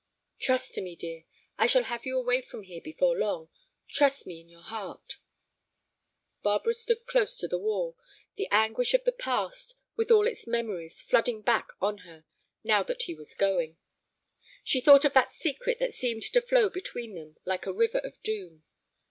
"Trust to me, dear; I shall have you away from here before long. Trust me in your heart." Barbara stood close to the wall, the anguish of the past, with all its memories, flooding back on her, now that he was going. She thought of that secret that seemed to flow between them like a river of doom.